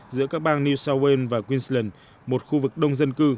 giữa các bang new south wales và queensland một khu vực đông dân cư